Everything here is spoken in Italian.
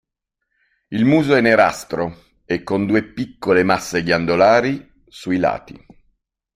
Il muso è nerastro e con due piccole masse ghiandolari sui lati.